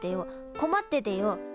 困っててよ。